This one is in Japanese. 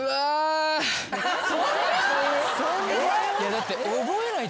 だって。